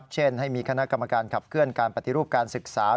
เช่นให้มีคณะกรรมการขับเคลื่อนการปฏิรูปการศึกษา